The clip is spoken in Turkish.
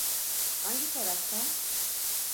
Hangi taraftan?